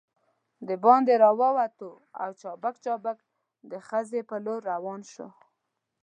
دباندې راووتو او چابک چابک د خزې په لور روان شوو.